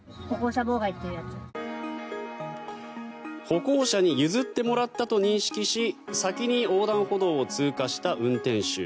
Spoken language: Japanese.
歩行者に譲ってもらったと認識し先に横断歩道を通過した運転手。